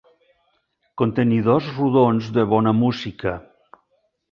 Contenidors rodons de bona música.